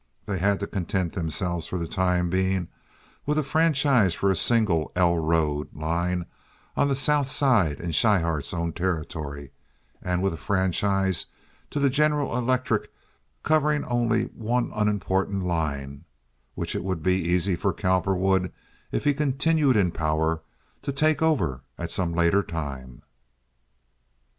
They had to content themselves for the time being with a franchise for a single 'L' road line on the South Side in Schryhart's own territory, and with a franchise to the General Electric covering only one unimportant line, which it would be easy for Cowperwood, if he continued in power, to take over at some later time.